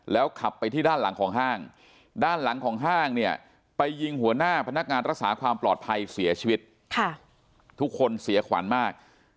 ขับไปที่ด้านหลังของห้างด้านหลังของห้างเนี่ยไปยิงหัวหน้าพนักงานรักษาความปลอดภัยเสียชีวิตทุกคนเสียขวัญมาก